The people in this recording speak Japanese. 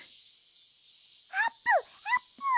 あーぷんあーぷん！